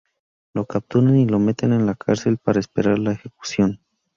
Lo capturan y lo meten en la cárcel para esperar la ejecución.